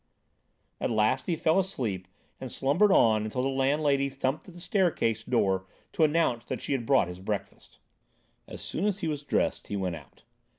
At last he fell asleep and slumbered on until the landlady thumped at the staircase door to announce that she had brought his breakfast. As soon as he was dressed he went out.